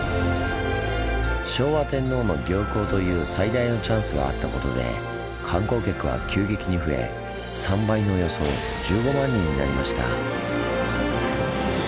昭和天皇の行幸という最大のチャンスがあったことで観光客は急激に増え３倍のおよそ１５万人になりました。